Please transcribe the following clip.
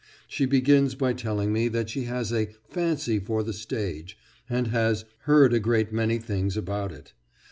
She begins by telling me that she has a "fancy for the stage," and has "heard a great many things about it."